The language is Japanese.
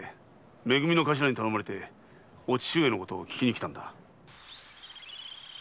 め組の頭に頼まれてお父上のことを聞きに来たんだ。